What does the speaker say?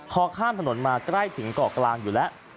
พอข้ามถนนมาใกล้ถึงเกาะกลางอยู่แล้ว